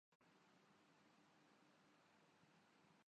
ناموافق ماحول میں بھی موافقت ڈھونڈی جا سکتی ہے۔